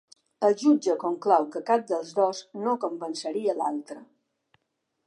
El jutge conclou que cap dels dos no convenceria l’altre.